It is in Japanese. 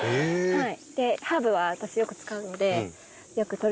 はい。